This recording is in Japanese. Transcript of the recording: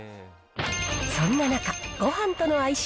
そんな中、ごはんとの相性